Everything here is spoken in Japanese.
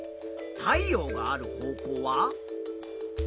太陽がある方向は？